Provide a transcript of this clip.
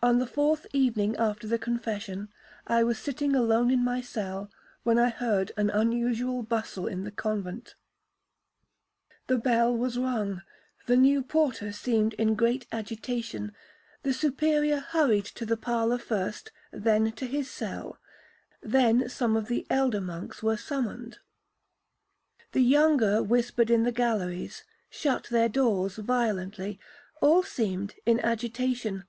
On the fourth evening after the confession, I was sitting alone in my cell, when I heard an unusual bustle in the convent. The bell was rung,—the new porter seemed in great agitation,—the Superior hurried to the parlour first, then to his cell,—then some of the elder monks were summoned. The younger whispered in the galleries,—shut their doors violently,—all seemed in agitation.